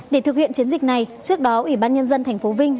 để thực hiện chiến dịch này trước đó ủy ban nhân dân tp vinh